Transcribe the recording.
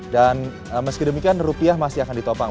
dan meskidemikian rupiah masih akan ditopang